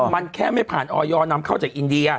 มันแค่ไม่ผ่านออยนำเข้าจากอินเดีย